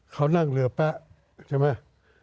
เขานั่งเรือแป๊ะใช่ไหม